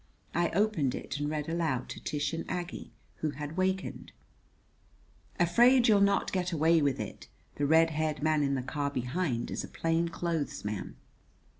I opened it and read aloud to Tish and Aggie, who had wakened: "'Afraid you'll not get away with it! The red haired man in the car behind is a plain clothes man.'"